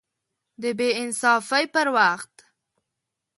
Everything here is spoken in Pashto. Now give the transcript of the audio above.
د بې انصافۍ پر وخت